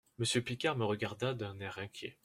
«Monsieur Picard me regarda d'un air inquiet.